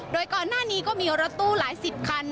โดยก่อนหน้านี้ก็มีรถตู้หลายสิบคัน